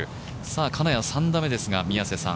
金谷、３打目ですが、宮瀬さん。